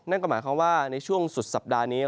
นั่นก็หมายความว่าในช่วงสุดสัปดาห์นี้